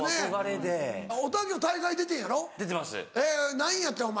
何位やってんお前。